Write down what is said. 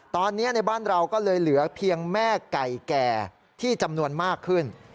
ตอนนี้ในบ้านเราก็เลยเหลือเพียงแม่ไก่แก่ที่จำนวนมากขึ้น